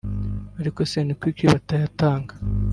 ariko se ni kuki batayatanga